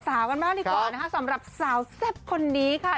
กันบ้างดีกว่านะคะสำหรับสาวแซ่บคนนี้ค่ะ